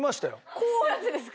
こうやってですか？